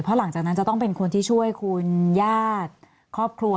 เพราะหลังจากนั้นจะต้องเป็นคนที่ช่วยคุณญาติครอบครัว